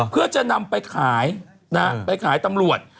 เพื่อจะนำไปขายนะฮะไปขายตำรวจ